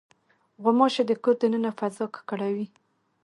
غوماشې د کور د دننه فضا ککړوي.